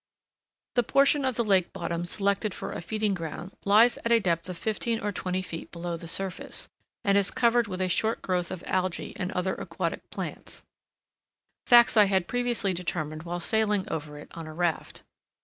The portion of the lake bottom selected for a feeding ground lies at a depth of fifteen or twenty feet below the surface, and is covered with a short growth of algae and other aquatic plants,—facts I had previously determined while sailing over it on a raft.